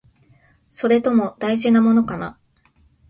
それとも、大事なものかな？